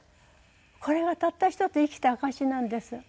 これがたった１つ生きた証しなんです。